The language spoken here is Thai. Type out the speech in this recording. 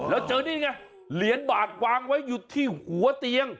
แล้วเจอนี่ไงเหรียญบาทวางไว้อยู่ที่หัวเตียง